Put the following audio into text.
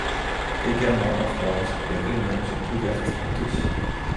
Également en France, les réunions sont ouvertes à tous.